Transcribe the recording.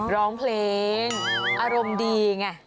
ร้องเพลงอารมณ์ดีอย่างนี้